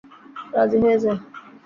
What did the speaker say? রাজি হয়ে যা।